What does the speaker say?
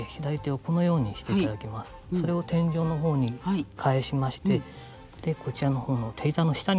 それを天井の方に返しましてこちら方の手板の下に。